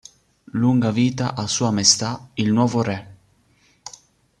Lunga vita a Sua Maestà il nuovo Re".